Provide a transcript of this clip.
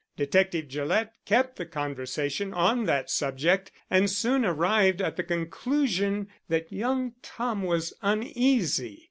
Detective Gillett kept the conversation on that subject and soon arrived at the conclusion that young Tom was uneasy.